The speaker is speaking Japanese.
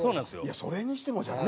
いやそれにしてもじゃない？